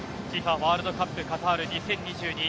ワールドカップカタール２０２２